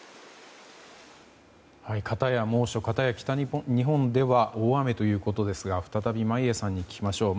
かたや猛暑かたや北日本では大雨ということですが再び眞家さんに聞きましょう。